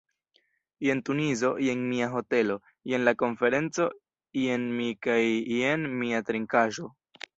Jen Tunizo, jen mia hotelo, jen la konferenco, jen mi kaj jen mia trinkaĵo.